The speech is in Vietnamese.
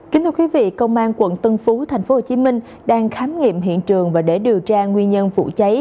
kính thưa quý vị công an quận tân phú tp hcm đang khám nghiệm hiện trường và để điều tra nguyên nhân vụ cháy